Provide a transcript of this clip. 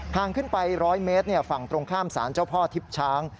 ขึ้นไป๑๐๐เมตรฝั่งตรงข้ามสารเจ้าพ่อทิพย์ช้าง